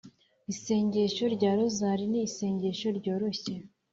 isengesho rya rozali ni isengesho ryoroshye